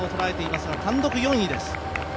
単独４位です。